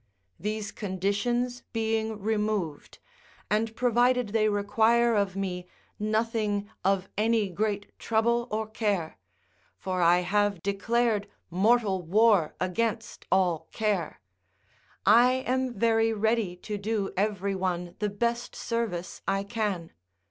These conditions being removed, and provided they require of me nothing if any great trouble or care (for I have declared mortal war against all care), I am very ready to do every one the best service I can.